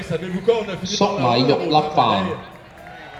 粟米肉粒飯